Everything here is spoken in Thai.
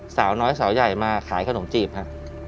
สาวน้อยสาวใหญ่มาขายขนมจีบค่ะ